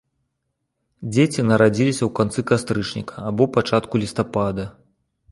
Дзеці нарадзіліся ў канцы кастрычніка або пачатку лістапада.